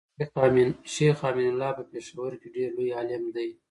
شيخ امين الله په پيښور کي ډير لوي عالم دی